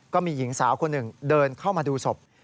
ก็มีหญิงสาวคนหนึ่งเดินเข้ามาดูศพ